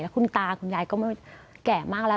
แล้วคุณตาคุณยายก็แก่มากแล้ว